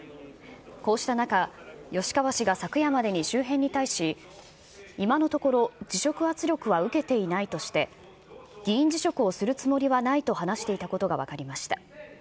こうした中、吉川氏が昨夜までに周辺に対し、今のところ、辞職圧力は受けていないとして、議員辞職をするつもりはないと話していたことが分かりました。